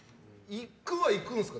行くは行くんですか？